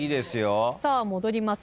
さあ戻ります。